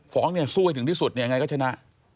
เนี่ยสู้ให้ถึงที่สุดเนี่ยยังไงก็ชนะ